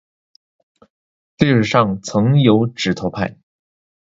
历史上曾有指头派。